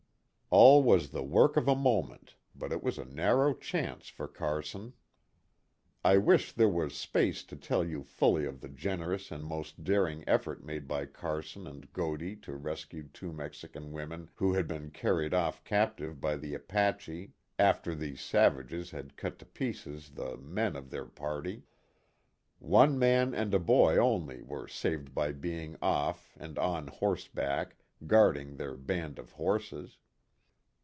" All was the work of a moment, but it was a narrow chance for Carson." I wish there was space to tell you fully of the generous and most daring effort made by Carson and Godey to rescue two Mexican women who had been carried off captive by the Apache after these savages had cut to pieces the men of their 36 KIT CARSON. party. One man and a boy only were saved by being off and on horseback guarding their band of horses.